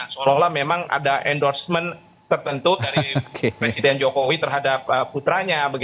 seolah olah memang ada endorsement tertentu dari presiden jokowi terhadap putranya